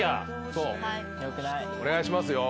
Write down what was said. お願いしますよ。